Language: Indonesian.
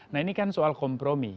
nah ini kan soal kompromi